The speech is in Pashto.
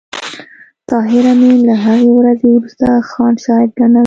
طاهر آمین له هغې ورځې وروسته ځان شاعر ګڼل